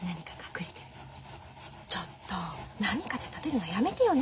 ちょっと波風立てるのやめてよね。